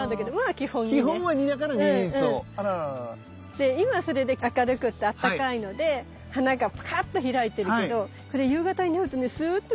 で今それで明るくってあったかいので花がパカっと開いてるけどこれ夕方になるとねスゥッとまた閉じちゃうの。